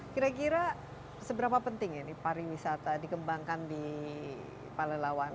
kira kira seberapa penting ya ini pariwisata dikembangkan di palai lawan